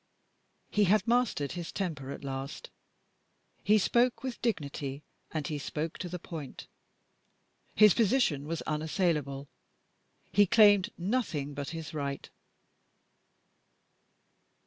He had mastered his temper at last: he spoke with dignity, and he spoke to the point. His position was unassailable; he claimed nothing but his right.